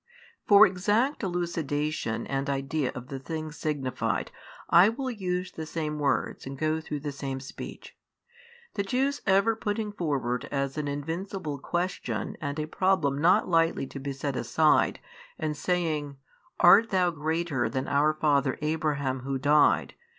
For exact elucidation and idea of the things signified I will use the same words and go through the same speech. The Jews ever putting forward as an invincible question and a problem not lightly to be set aside and saying, Art THOU greater than our father Abraham who died?